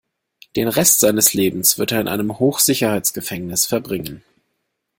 Den Rest seines Lebens wird er in einem Hochsicherheitsgefängnis verbringen.